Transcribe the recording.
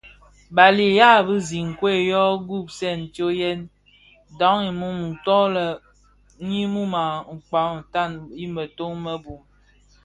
Bali i be yea bi zinkwed yo wuwubsèn tsomyè dhamum nto lè nimum dhi kpag tan a mëto më bum.